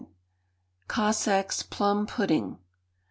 Cossack's Plum Pudding.